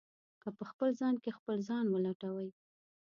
که په خپل ځان کې خپل ځان ولټوئ.